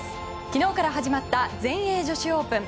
昨日から始まった全英女子オープン。